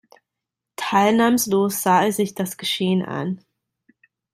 Teilnahmslos sah er sich das Geschehen an.